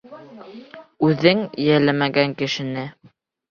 Үҙен йәлләмәгән кешене!